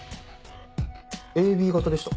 ＡＢ型でした。